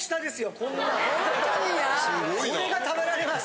これが食べられます。